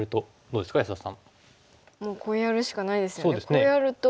こうやると。